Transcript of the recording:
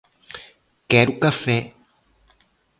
Quero café